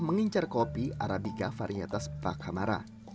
mengincar kopi arabica varietas pakamara